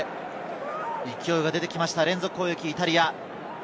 勢いが出てきました、連続攻撃イタリア。